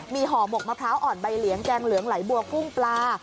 มีห่อหมกมะพร้าวอ่อนใบเหลียงแกงเหลืองไหลบัวกุ้งปลา